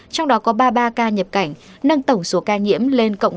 trong đó có ba mươi ba ca nhập cảnh nâng tổng số ca nhiễm lên cộng